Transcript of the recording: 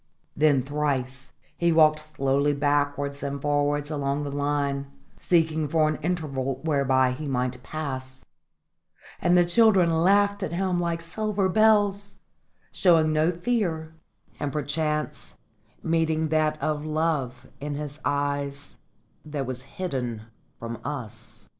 Then thrice he walked slowly backwards and forwards along the line, seeking for an interval whereby he might pass; and the children laughed at him like silver bells, showing no fear, and perchance meeting that of love in his eyes that was hidden from us.